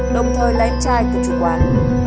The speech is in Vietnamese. đồng thời là em trai của chủ quán